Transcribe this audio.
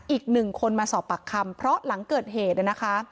อีกหนึ่งคนมาสอบปากคำเพราะหลังเกิดเหตุนะคะ